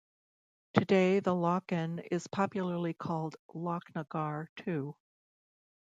Today the lochan is popularly called Lochnagar too.